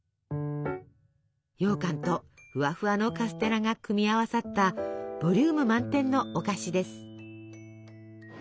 ようかんとふわふわのカステラが組み合わさったボリューム満点のお菓子です。